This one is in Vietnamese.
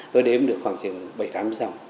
tôi đếm được khoảng chừng bảy tám dòng